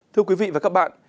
thưa quý vị và các bạn